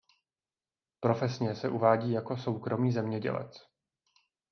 Profesně se uvádí jako soukromý zemědělec.